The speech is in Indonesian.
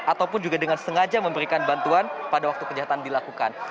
ataupun juga dengan sengaja memberikan bantuan pada waktu kejahatan dilakukan